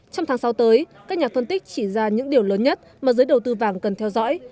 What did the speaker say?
trong tháng sáu tới các nhà phân tích chỉ ra những điều lớn nhất mà giới đầu tư vàng cần theo dõi